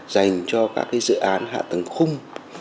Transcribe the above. dành cho các dự án hạ tầng khung